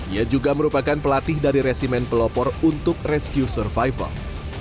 ia juga merupakan pelatih dari resimen pelopor untuk rescue survival